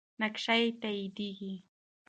نقش یې تاییدیږي.